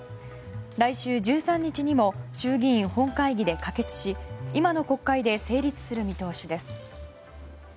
来週１３日にも衆議院本会議で可決し今の国会で成立する見通しです。